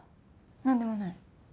何でもない。